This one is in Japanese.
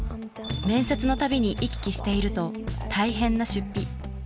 面接の度に行き来していると大変な出費。